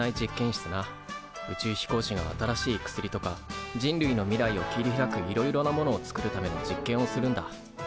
宇宙飛行士が新しい薬とか人類の未来を切り開くいろいろなものをつくるための実験をするんだ。